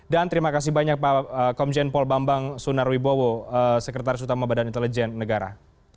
dan terima kasih banyak pak komjen paul bambang sunarwibowo sekretaris utama badan intelijen negara